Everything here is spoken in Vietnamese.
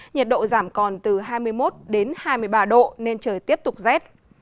nhiệt độ giảm còn từ hai mươi một đến hai mươi ba độ nên trời tiếp tục rét